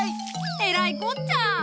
えらいこっちゃ！